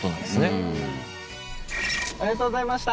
うんうんありがとうございました